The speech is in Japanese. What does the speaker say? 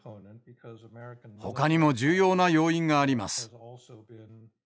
ほかにも重要な要因があります。